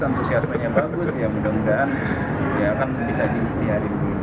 antusiasmenya bagus ya mudah mudahan dia akan bisa dihari